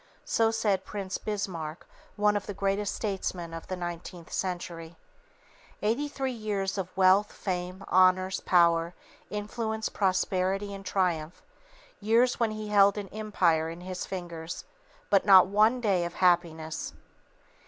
So said Prince Bismarck, one of the greatest statesmen of the nineteenth century. Eighty three years of wealth, fame, honors, power, influence, prosperity and triumph, years when he held an empire in his fingers, but not one day of happiness!